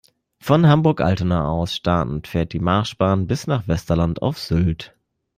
Von Hamburg-Altona aus startend fährt die Marschbahn bis nach Westerland auf Sylt.